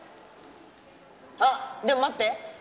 あっでも待って。